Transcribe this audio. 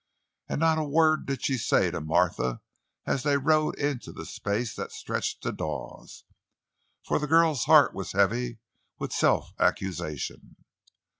And not a word did she say to Martha as they rode into the space that stretched to Dawes, for the girl's heart was heavy with self accusation.